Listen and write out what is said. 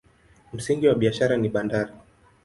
Msingi wa biashara ni bandari.